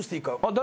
誰？